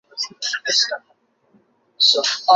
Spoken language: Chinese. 托特纳姆谷站现在正在安装自动月台门。